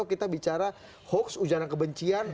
kita bicara hoax ujana kebencian